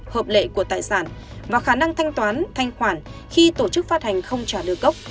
hợp lệ của tài sản và khả năng thanh toán thanh khoản khi tổ chức phát hành không trả được gốc